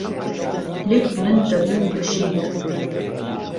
لێک بڵند دهبوون به شیر